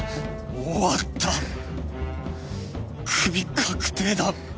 終わったクビ確定だ